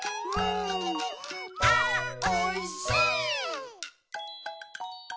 「あーおいしい」